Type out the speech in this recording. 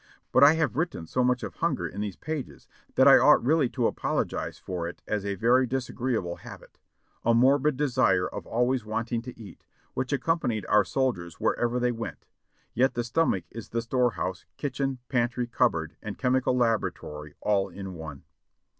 But I have written so much of hunger in these pages that I ought really to apologize for it as a very disagreeable habit, — a morbid desire of always wanting to eat, which accom panied our soldiers wherever they went; yet the stomach is the store house, kitchen, pantry, cupboard, and chemical laboratory all in one.